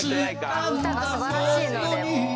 「歌が素晴らしいのでもう」